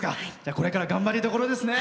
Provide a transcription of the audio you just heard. これから頑張りどころですね。